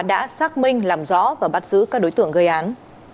đã xác minh làm rõ và bắt giữ các đối tượng gây án